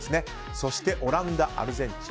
そしてオランダ、アルゼンチン。